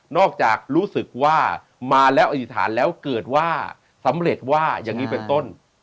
จากรู้สึกว่ามาแล้วอธิษฐานแล้วเกิดว่าสำเร็จว่าอย่างนี้เป็นต้น